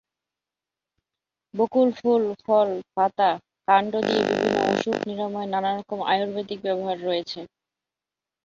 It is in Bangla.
বকুল ফুল, ফল, পাতা, কাণ্ড দিয়ে বিভিন্ন অসুখ নিরাময়ের নানারকম আয়ুর্বেদিক ব্যবহার রয়েছে।